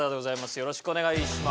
よろしくお願いします。